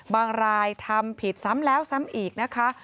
รายทำผิดซ้ำแล้วซ้ำอีกนะคะ